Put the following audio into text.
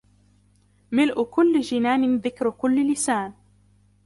ملء كل جنـان ذكر كل لسـان